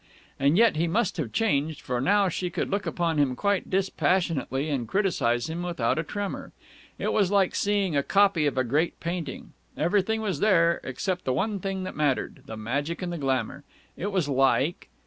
And yet he must have changed, for now she could look upon him quite dispassionately and criticize him without a tremor. It was like seeing a copy of a great painting. Everything was there, except the one thing that mattered, the magic and the glamour. It was like....